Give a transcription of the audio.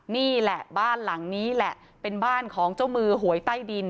นี่แหละบ้านหลังนี้แหละเป็นบ้านของเจ้ามือหวยใต้ดิน